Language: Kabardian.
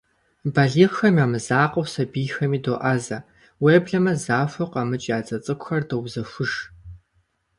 Балигъхэм я мызакъуэу, сабийхэми доӀэзэ, уеблэмэ захуэу къэмыкӀ я дзэ цӀыкӀухэр доузэхуж.